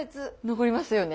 残りますよね。